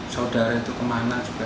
saudara itu kemana juga